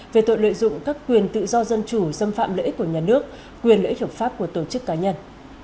về tội lợi dụng các quyền tự do dân chủ xâm phạm lợi ích của nhà nước quyền lợi ích hợp pháp của tổ chức cá nhân